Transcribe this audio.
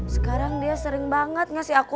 sekarang dia sering banget ngasih aku